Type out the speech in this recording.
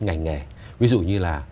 ngành nghề ví dụ như là